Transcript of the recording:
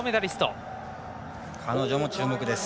彼女も注目です。